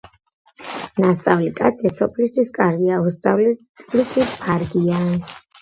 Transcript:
ნასწავლი კაცი სოფლისთვის კარგია, უსწავლელი კი ბარგია.